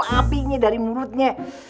apinya dari mulutnya